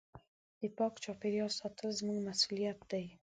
د پاک چاپېریال ساتل زموږ مسؤلیت دی.